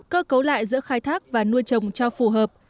cơ cấu lại giữa khai thác và nuôi trồng cho phù hợp